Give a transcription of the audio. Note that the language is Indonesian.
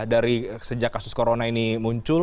dari sejak kasus corona ini muncul